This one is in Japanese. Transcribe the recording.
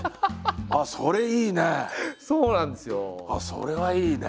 それはいいね！